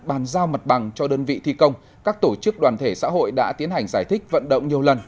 bàn giao mặt bằng cho đơn vị thi công các tổ chức đoàn thể xã hội đã tiến hành giải thích vận động nhiều lần